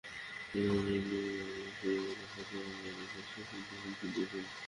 জমি নিয়ে মামলার শুনানি পেছাতেই তিনি জেএমবি পরিচয় দিয়ে হুমকি দিয়েছিলেন।